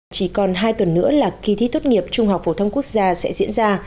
chỉ còn hai tuần nữa là kỳ thi tốt nghiệp trung học phổ thông quốc gia sẽ diễn ra